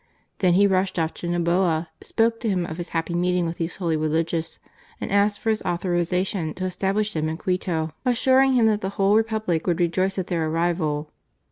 Then he rushed off to Noboa, spoke to him of his happy meeting with these holy religious and asked for his authorization to establish them in Quito, assuring him that the whole Republic would rejoice at their arrival.